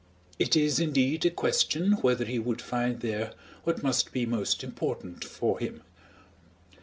It is, indeed, a question whether he would find there what must be most important for him.